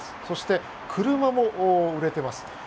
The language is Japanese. そして車も売れています。